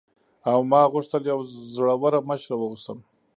او ما غوښتل یوه زړوره مشره واوسم.